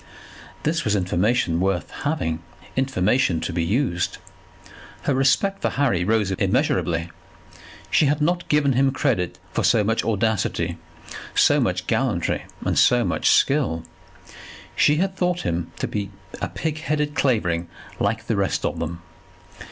This was information worth having, information to be used! Her respect for Harry rose immeasurably. She had not given him credit for so much audacity, so much gallantry, and so much skill. She had thought him to be a pigheaded Clavering, like the rest of them.